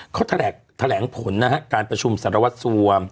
เขาแถลงผลนะฮะการประชุมสารวัตรสัว